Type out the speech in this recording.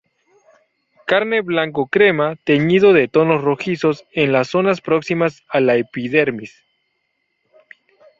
Carne blanco-crema teñida de tonos rojizos en las zonas próximas a la epidermis.